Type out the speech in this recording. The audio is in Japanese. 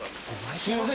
すみません。